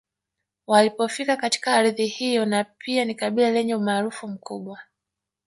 Walipofika katika ardhi hiyo na pia ni kabila lenye umaarufu mkubwa